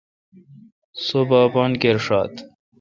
سوا با اپان کر شات۔